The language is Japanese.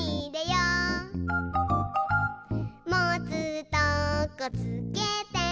「もつとこつけて」